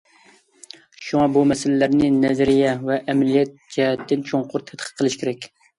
شۇڭا بۇ مەسىلىلەرنى نەزەرىيە ۋە ئەمەلىيەت جەھەتتىن چوڭقۇر تەتقىق قىلىش كېرەك.